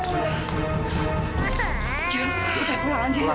jules kita pulang aja ya